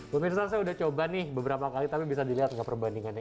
pemirsa saya udah coba nih beberapa kali tapi bisa dilihat nggak perbandingannya